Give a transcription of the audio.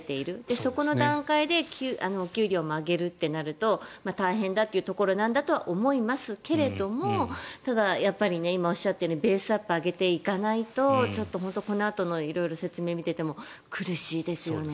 そこの段階で給料も上げるってなると大変だというところなんだとは思いますけれどもただ、今おっしゃったようにベースアップを上げていかないとちょっとこのあとの説明を見ていても苦しいですよね。